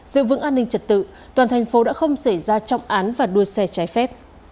giữ vững an ninh trật tự toàn thành phố đã không xảy ra trọng án và đua xe trái phép